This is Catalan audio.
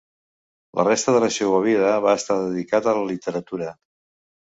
La resta de la seua vida va estar dedicat a la literatura.